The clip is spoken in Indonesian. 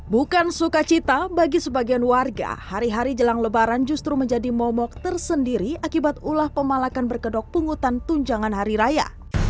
bukan sukacita bagi sebagian warga hari hari jelang lebaran justru menjadi momok tersendiri akibat ulah pemalakan berkedok pungutan tunjangan hari raya